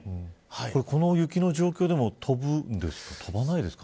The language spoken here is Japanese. この雪の状況でも飛ぶんですか。